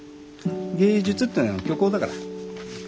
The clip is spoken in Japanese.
芸術ってのは虚構だから。